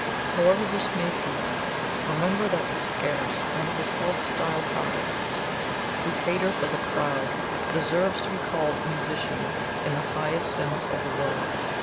However this may be, remember that scarce one of the self styled artists who cater for the crowd deserves to be called MUSICIAN in the highest sense of the word.